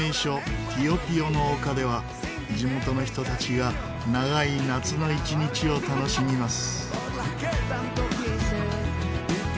ティオ・ピオの丘では地元の人たちが長い夏の一日を楽しみます。